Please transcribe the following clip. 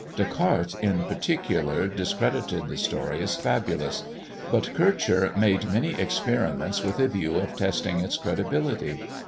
Descartes, in particular, discredited the story as fabulous; but Kircher made many experiments with a view of testing its credibility.